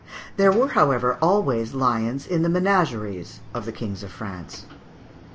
There, were, however, always lions in the menageries of the kings of France.